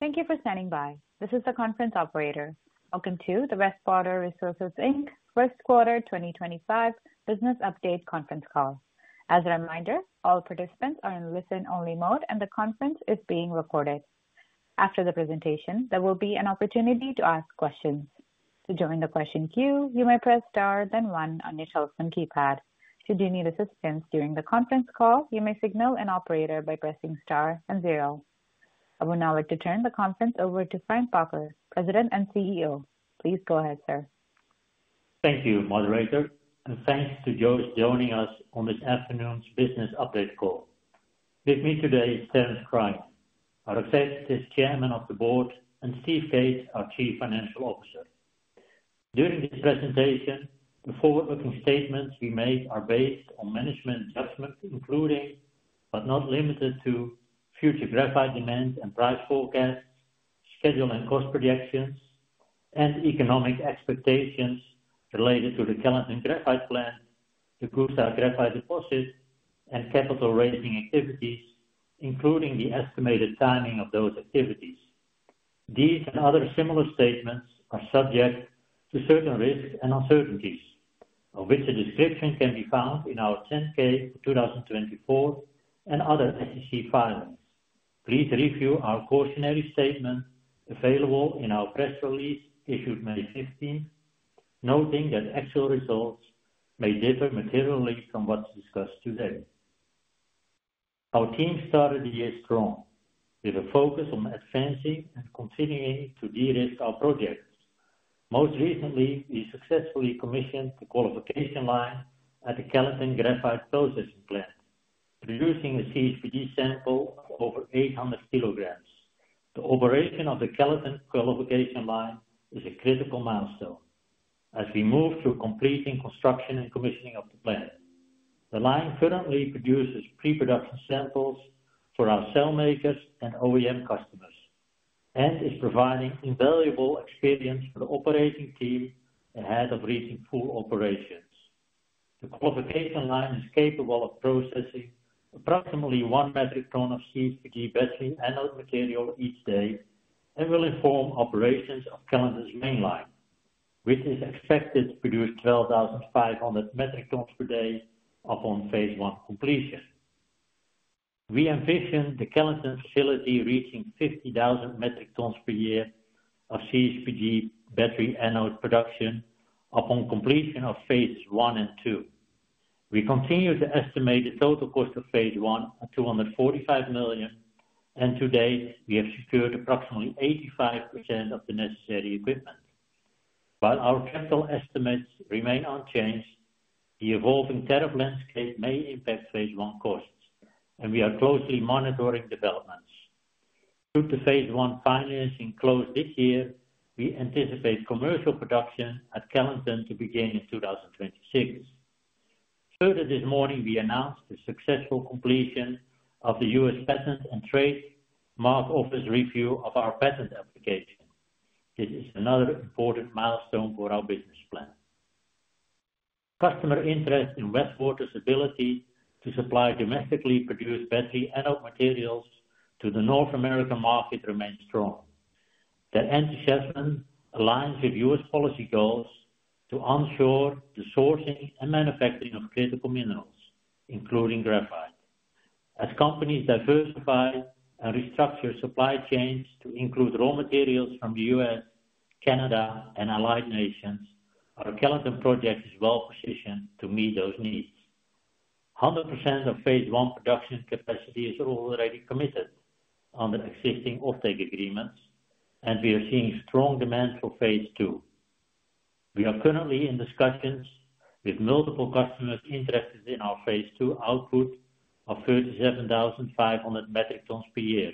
Thank you for standing by. This is the conference operator. Welcome to the Westwater Resources First Quarter 2025 Business Update Conference Call. As a reminder, all participants are in listen-only mode, and the conference is being recorded. After the presentation, there will be an opportunity to ask questions. To join the question queue, you may press star then one on your telephone keypad. Should you need assistance during the conference call, you may signal an operator by pressing star and zero. I would now like to turn the conference over to Frank Bakker, President and CEO. Please go ahead, sir. Thank you, Moderator, and thanks to George joining us on this afternoon's business update call. With me today is Terence Cryan, our Executive Chairman of the Board, and Steve Cates, our Chief Financial Officer. During this presentation, the forward-looking statements we made are based on management judgment, including but not limited to future graphite demand and price forecasts, schedule and cost projections, and economic expectations related to the Kellyton Graphite Plant, the Coosa Graphite Deposit, and capital-raising activities, including the estimated timing of those activities. These and other similar statements are subject to certain risks and uncertainties, of which a description can be found in our 10-K for 2024 and other SEC filings. Please review our cautionary statement available in our press release issued May 15, noting that actual results may differ materially from what's discussed today. Our team started the year strong, with a focus on advancing and continuing to de-risk our projects. Most recently, we successfully commissioned the qualification line at the Kellyton Graphite Plant, producing a CHPG sample of over 800 kilograms. The operation of the Kellyton qualification line is a critical milestone as we move to completing construction and commissioning of the plant. The line currently produces pre-production samples for our cell makers and OEM customers and is providing invaluable experience for the operating team ahead of reaching full operations. The qualification line is capable of processing approximately one metric ton of CHPG battery anode material each day and will inform operations of Kellyton's mainline, which is expected to produce 12,500 metric tons per year upon phase one completion. We envision the Kellyton facility reaching 50,000 metric tons per year of CHPG battery anode production upon completion of phases one and two. We continue to estimate the total cost of phase one at $245 million, and to date, we have secured approximately 85% of the necessary equipment. While our capital estimates remain unchanged, the evolving tariff landscape may impact phase one costs, and we are closely monitoring developments. Should the phase one financing close this year, we anticipate commercial production at Kellyton to begin in 2026. Further, this morning, we announced the successful completion of the U.S. Patent and Trademark Office review of our patent application. This is another important milestone for our business plan. Customer interest in Westwater's ability to supply domestically produced battery anode materials to the North American market remains strong. That enthusiasm aligns with U.S. policy goals to ensure the sourcing and manufacturing of critical minerals, including graphite. As companies diversify and restructure supply chains to include raw materials from the U.S., Canada, and Allied Nations, our Kellyton project is well-positioned to meet those needs. 100% of phase one production capacity is already committed under existing offtake agreements, and we are seeing strong demand for phase two. We are currently in discussions with multiple customers interested in our phase two output of 37,500 metric tons per year.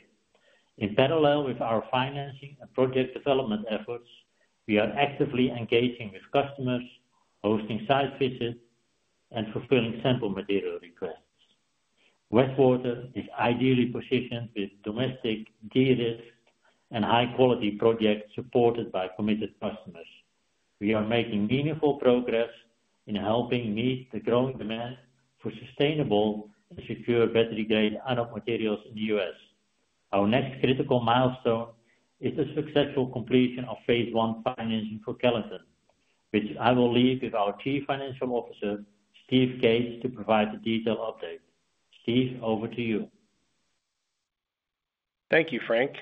In parallel with our financing and project development efforts, we are actively engaging with customers, hosting site visits, and fulfilling sample material requests. Westwater is ideally positioned with domestic de-risk and high-quality projects supported by committed customers. We are making meaningful progress in helping meet the growing demand for sustainable and secure battery-grade anode materials in the U.S. Our next critical milestone is the successful completion of phase one financing for Kellyton, which I will leave with our Chief Financial Officer, Steve Cates, to provide a detailed update. Steve, over to you. Thank you, Frank.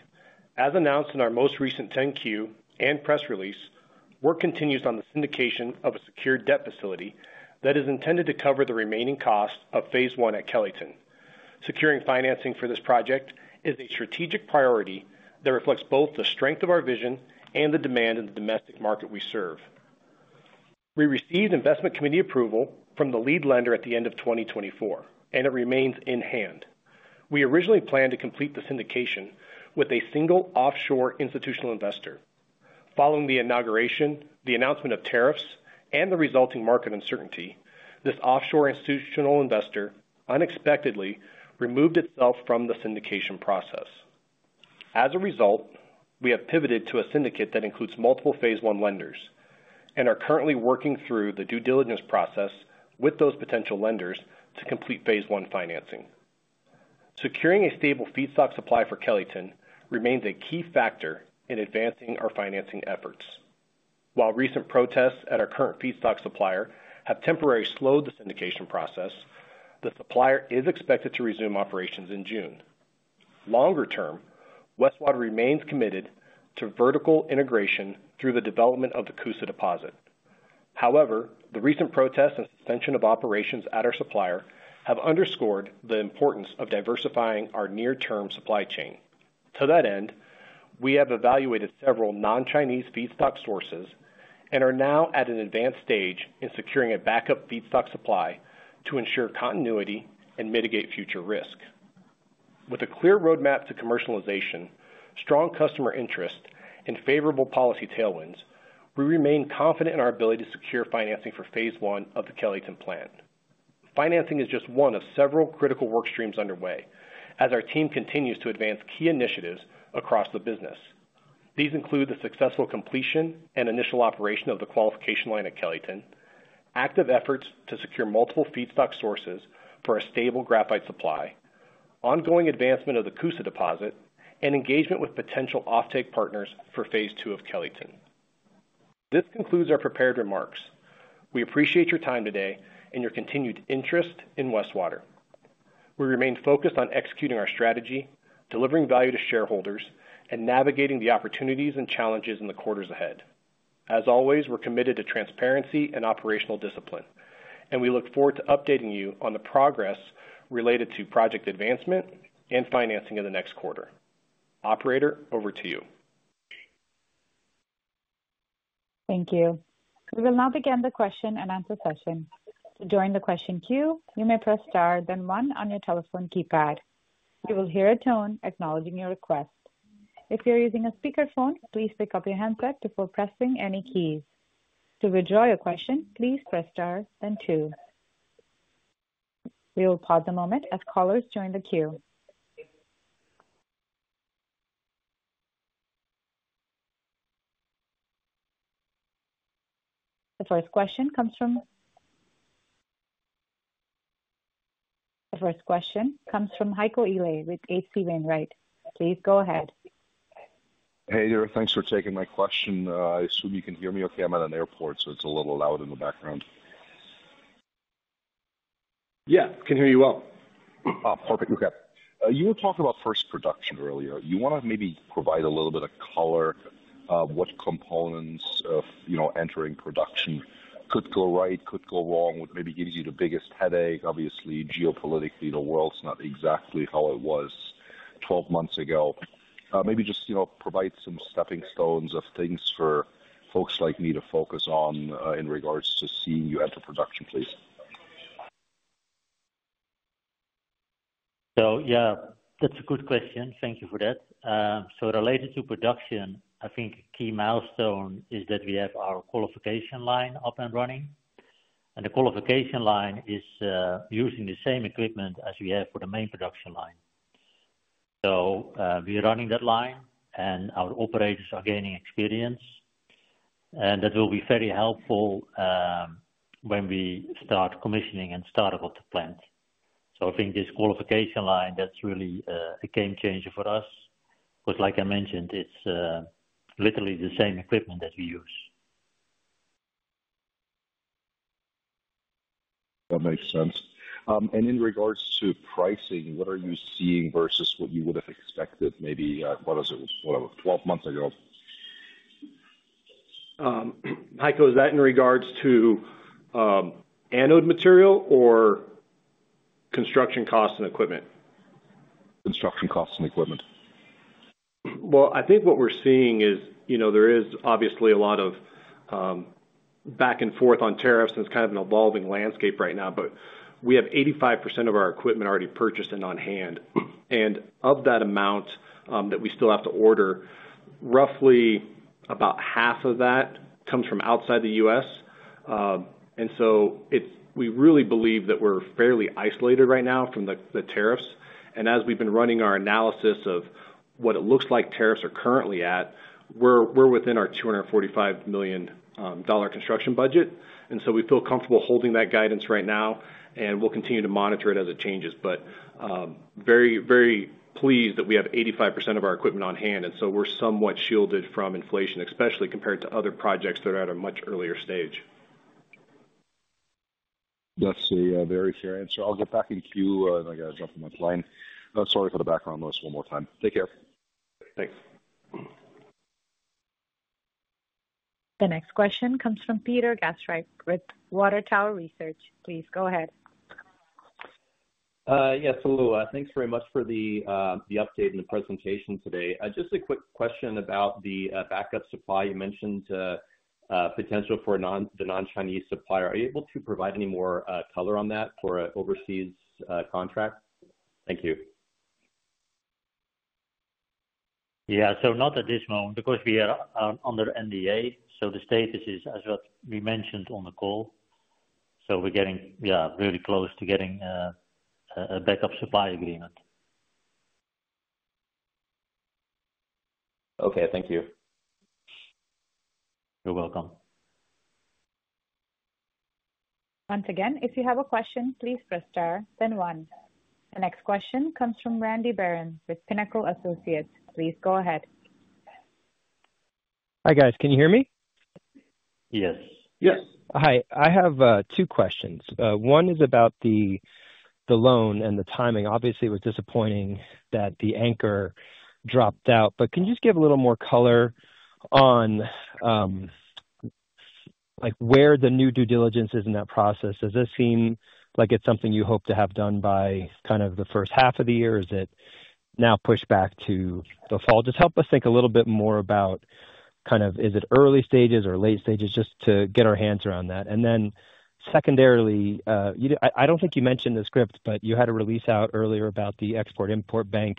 As announced in our most recent 10-Q and press release, work continues on the syndication of a secured debt facility that is intended to cover the remaining cost of phase one at Kellyton. Securing financing for this project is a strategic priority that reflects both the strength of our vision and the demand in the domestic market we serve. We received investment committee approval from the lead lender at the end of 2024, and it remains in hand. We originally planned to complete the syndication with a single offshore institutional investor. Following the inauguration, the announcement of tariffs, and the resulting market uncertainty, this offshore institutional investor unexpectedly removed itself from the syndication process. As a result, we have pivoted to a syndicate that includes multiple phase one lenders and are currently working through the due diligence process with those potential lenders to complete phase one financing. Securing a stable feedstock supply for Kellyton remains a key factor in advancing our financing efforts. While recent protests at our current feedstock supplier have temporarily slowed the syndication process, the supplier is expected to resume operations in June. Longer term, Westwater remains committed to vertical integration through the development of the Coosa Graphite Deposit. However, the recent protests and suspension of operations at our supplier have underscored the importance of diversifying our near-term supply chain. To that end, we have evaluated several non-Chinese feedstock sources and are now at an advanced stage in securing a backup feedstock supply to ensure continuity and mitigate future risk. With a clear roadmap to commercialization, strong customer interest, and favorable policy tailwinds, we remain confident in our ability to secure financing for phase one of the Kellyton plant. Financing is just one of several critical work streams underway as our team continues to advance key initiatives across the business. These include the successful completion and initial operation of the qualification line at Kellyton, active efforts to secure multiple feedstock sources for a stable graphite supply, ongoing advancement of the Coosa Graphite Deposit, and engagement with potential offtake partners for phase two of Kellyton. This concludes our prepared remarks. We appreciate your time today and your continued interest in Westwater Resources. We remain focused on executing our strategy, delivering value to shareholders, and navigating the opportunities and challenges in the quarters ahead. As always, we're committed to transparency and operational discipline, and we look forward to updating you on the progress related to project advancement and financing in the next quarter. Operator, over to you. Thank you. We will now begin the question and answer session. To join the question queue, you may press star then one on your telephone keypad. You will hear a tone acknowledging your request. If you're using a speakerphone, please pick up your handset before pressing any keys. To withdraw your question, please press star then two. We will pause a moment as callers join the queue. The first question comes from Heiko Ile with HC Wainwright. Please go ahead. Hey there, thanks for taking my question. I assume you can hear me okay. I'm at an airport, so it's a little loud in the background. Yeah, I can hear you well. Perfect, okay. You were talking about first production earlier. You want to maybe provide a little bit of color of what components of entering production could go right, could go wrong, what maybe gives you the biggest headache. Obviously, geopolitically, the world's not exactly how it was 12 months ago. Maybe just provide some stepping stones of things for folks like me to focus on in regards to seeing you enter production, please. Yeah, that's a good question. Thank you for that. Related to production, I think a key milestone is that we have our qualification line up and running, and the qualification line is using the same equipment as we have for the main production line. We are running that line, and our operators are gaining experience, and that will be very helpful when we start commissioning and start up the plant. I think this qualification line, that's really a game changer for us because, like I mentioned, it's literally the same equipment that we use. That makes sense. In regards to pricing, what are you seeing versus what you would have expected, maybe what was it, 12 months ago? Heiko, is that in regards to anode material or construction costs and equipment? Construction costs and equipment. I think what we're seeing is there is obviously a lot of back and forth on tariffs, and it's kind of an evolving landscape right now, but we have 85% of our equipment already purchased and on hand. Of that amount that we still have to order, roughly about half of that comes from outside the U.S. We really believe that we're fairly isolated right now from the tariffs. As we've been running our analysis of what it looks like tariffs are currently at, we're within our $245 million construction budget. We feel comfortable holding that guidance right now, and we'll continue to monitor it as it changes. Very, very pleased that we have 85% of our equipment on hand, and we're somewhat shielded from inflation, especially compared to other projects that are at a much earlier stage. That's a very fair answer. I'll get back in queue. I got to jump on that line. Sorry for the background noise one more time. Take care. Thanks. The next question comes from Peter Gastreit with Water Tower Research. Please go ahead. Yes, hello. Thanks very much for the update and the presentation today. Just a quick question about the backup supply. You mentioned potential for the non-Chinese supplier. Are you able to provide any more color on that for overseas contracts? Thank you. Yeah, so not at this moment because we are under NDA. The status is, as we mentioned on the call, we're getting, yeah, really close to getting a backup supply agreement. Okay, thank you. You're welcome. Once again, if you have a question, please press star then one. The next question comes from Randy Barron with Pinnacle Associates. Please go ahead. Hi guys, can you hear me? Yes. Yes. Hi, I have two questions. One is about the loan and the timing. Obviously, it was disappointing that the anchor dropped out, but can you just give a little more color on where the new due diligence is in that process? Does this seem like it's something you hope to have done by kind of the first half of the year, or is it now pushed back to the fall? Just help us think a little bit more about kind of is it early stages or late stages just to get our hands around that? Secondarily, I don't think you mentioned the script, but you had a release out earlier about the Export-Import Bank.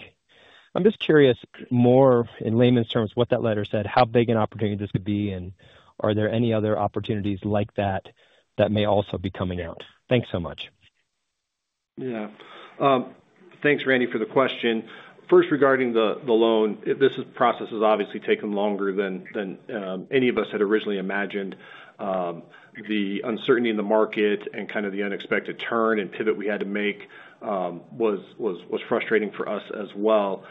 I'm just curious more in layman's terms what that letter said, how big an opportunity this could be, and are there any other opportunities like that that may also be coming out? Thanks so much. Yeah. Thanks, Randy, for the question. First, regarding the loan, this process has obviously taken longer than any of us had originally imagined. The uncertainty in the market and kind of the unexpected turn and pivot we had to make was frustrating for us as well.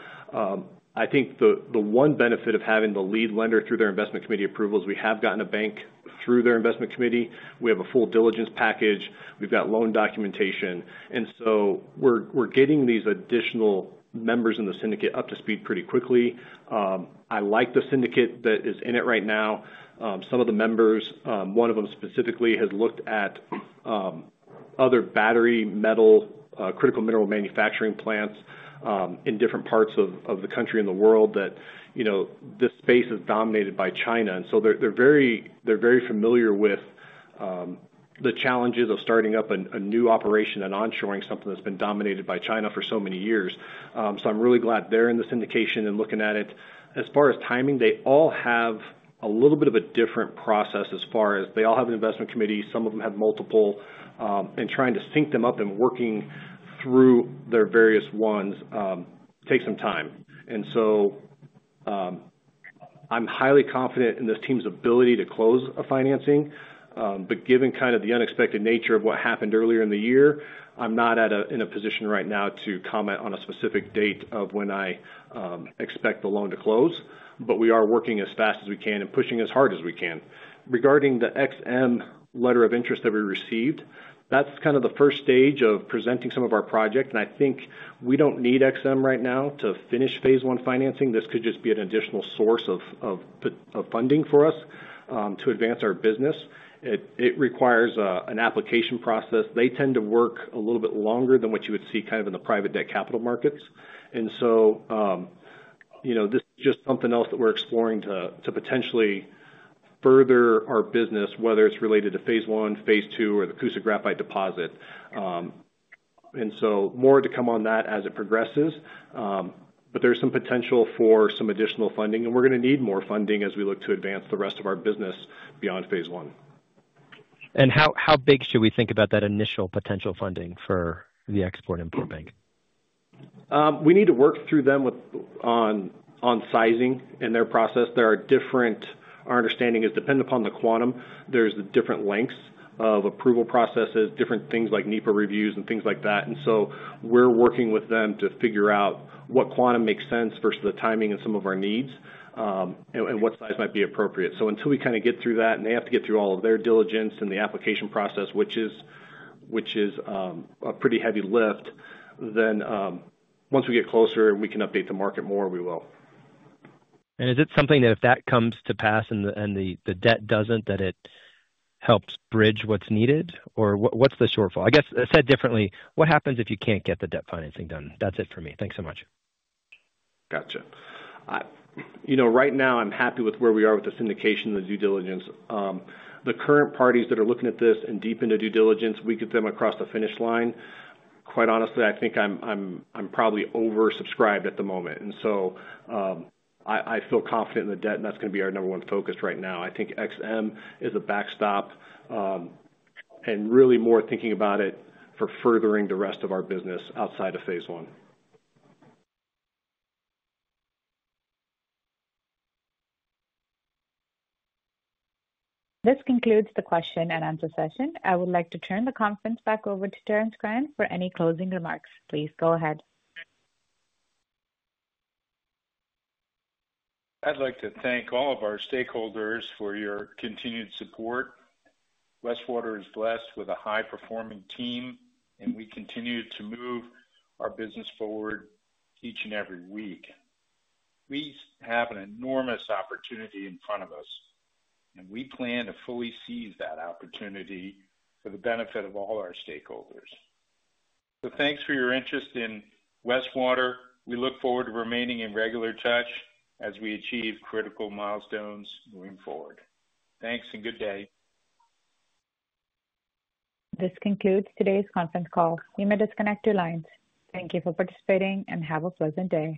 I think the one benefit of having the lead lender through their investment committee approval is we have gotten a bank through their investment committee. We have a full diligence package. We've got loan documentation. We are getting these additional members in the syndicate up to speed pretty quickly. I like the syndicate that is in it right now. Some of the members, one of them specifically, has looked at other battery metal critical mineral manufacturing plants in different parts of the country and the world that this space is dominated by China. They are very familiar with the challenges of starting up a new operation and onshoring something that has been dominated by China for so many years. I am really glad they are in the syndication and looking at it. As far as timing, they all have a little bit of a different process as far as they all have an investment committee. Some of them have multiple. Trying to sync them up and working through their various ones takes some time. I am highly confident in this team's ability to close a financing, but given kind of the unexpected nature of what happened earlier in the year, I am not in a position right now to comment on a specific date of when I expect the loan to close, but we are working as fast as we can and pushing as hard as we can. Regarding the XM letter of interest that we received, that's kind of the first stage of presenting some of our project. I think we don't need XM right now to finish phase one financing. This could just be an additional source of funding for us to advance our business. It requires an application process. They tend to work a little bit longer than what you would see kind of in the private debt capital markets. This is just something else that we're exploring to potentially further our business, whether it's related to phase one, phase two, or the Coosa Graphite Deposit. More to come on that as it progresses, but there's some potential for some additional funding, and we're going to need more funding as we look to advance the rest of our business beyond phase one. How big should we think about that initial potential funding for the Export-Import Bank? We need to work through them on sizing and their process. Our understanding is dependent upon the quantum. There are different lengths of approval processes, different things like NEPA reviews and things like that. We are working with them to figure out what quantum makes sense versus the timing and some of our needs and what size might be appropriate. Until we kind of get through that and they have to get through all of their diligence and the application process, which is a pretty heavy lift, once we get closer and we can update the market more, we will. Is it something that if that comes to pass and the debt does not, that it helps bridge what is needed? What is the shortfall? I guess said differently, what happens if you cannot get the debt financing done? That is it for me. Thanks so much. Gotcha. Right now, I'm happy with where we are with the syndication and the due diligence. The current parties that are looking at this and deep into due diligence, we get them across the finish line. Quite honestly, I think I'm probably oversubscribed at the moment. I feel confident in the debt, and that's going to be our number one focus right now. I think XM is a backstop and really more thinking about it for furthering the rest of our business outside of phase one. This concludes the question and answer session. I would like to turn the conference back over to Terence Cryan for any closing remarks. Please go ahead. I'd like to thank all of our stakeholders for your continued support. Westwater is blessed with a high-performing team, and we continue to move our business forward each and every week. We have an enormous opportunity in front of us, and we plan to fully seize that opportunity for the benefit of all our stakeholders. Thanks for your interest in Westwater. We look forward to remaining in regular touch as we achieve critical milestones moving forward. Thanks and good day. This concludes today's conference call. You may disconnect your lines. Thank you for participating and have a pleasant day.